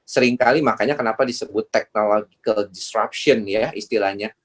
seringkali makanya kenapa disebut technological disruption ya istilahnya